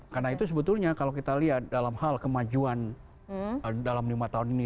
karena itu sebetulnya kalau kita lihat dalam hal kemajuan dalam lima tahun ini